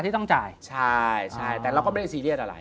ที่ต้องจ่ายใช่ใช่แต่เราก็ไม่ได้ซีเรียสอะไร